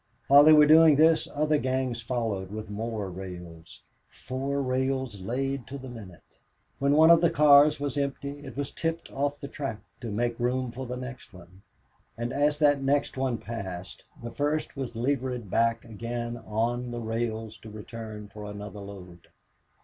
While they were doing this other gangs followed with more rails. Four rails laid to the minute! When one of the cars was empty it was tipped off the track to make room for the next one. And as that next one passed the first was levered back again on the rails to return for another load.